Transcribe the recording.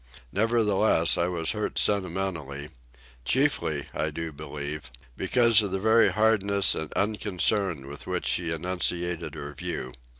Nevertheless, I was hurt sentimentally,—chiefly, I do believe, because of the very hardness and unconcern with which she enunciated her view.